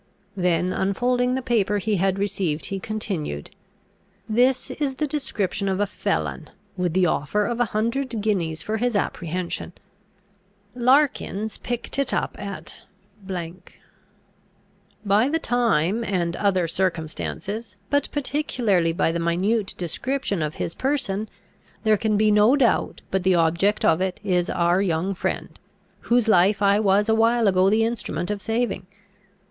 Then unfolding the paper he had received, he continued: "This is the description of a felon, with the offer of a hundred guineas for his apprehension. Larking picked it up at . By the time and other circumstances, but particularly by the minute description of his person, there can be no doubt but the object of it is our young friend, whose life I was a while ago the instrument of saving.